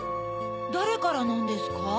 だれからなんですか？